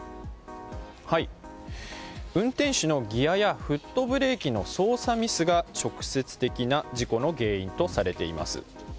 運転手のギアやフットブレーキの操作ミスが直接的な事故の原因とされています。